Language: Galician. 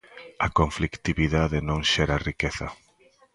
A conflitividade non xera riqueza.